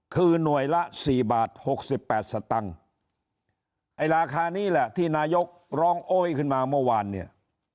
คือหน่วยละสี่บาทหกสิบแปดสตังค์ไอ้ราคานี้แหละที่นายกร้องโอ๊ยขึ้นมาเมื่อวานเนี่ย